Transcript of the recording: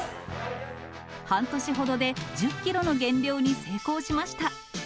半年ほどで１０キロの減量に成功しました。